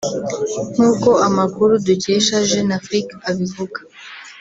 nk’uko amakuru dukesha Jeune Afrique abivuga